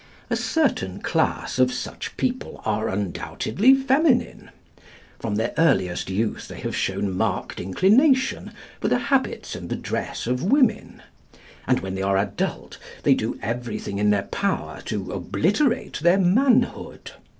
A certain class of such people are undoubtedly feminine. From their earliest youth they have shown marked inclination for the habits and the dress of women; and when they are adult, they do everything in their power to obliterate their manhood.